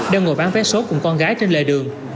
đem ngồi bán vé số cùng con gái trên lề đường